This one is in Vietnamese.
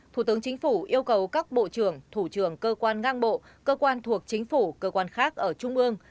thủ tướng chính phủ yêu cầu các bộ trưởng thủ trưởng cơ quan ngang bộ cơ quan thuộc chính phủ cơ quan khác ở trung ương